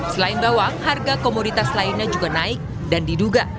selain bawang harga komoditas lainnya juga naik dan diduga